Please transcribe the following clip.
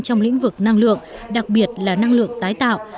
trong lĩnh vực năng lượng đặc biệt là năng lượng tái tạo